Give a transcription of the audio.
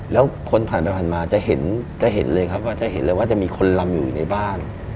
แล้วคนผ่านไปผ่านมาจะเห็นเลยครับว่าจะมีคนลำอยู่ในบ้าน